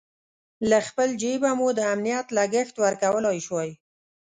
له خپل جېبه مو د امنیت لګښت ورکولای شوای.